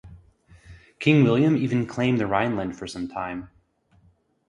King William even claimed the Rhineland for some time.